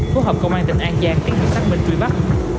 phối hợp công an tp hcm truy bắt